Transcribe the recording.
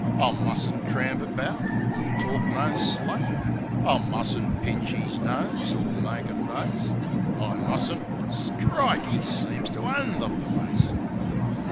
I mustn't tramp about, or talk no slang; I mustn't pinch 'is nose, or make a face, I must'nt — Strike! 'E seems to own the place!